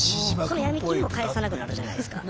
そのヤミ金にも返さなくなるじゃないすか。